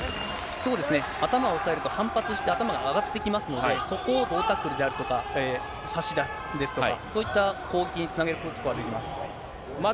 そうですね、頭を押さえると、反発して頭が上がってきますので、そこを胴タックルであるとか、ですとか、そういった攻撃につなげることができます。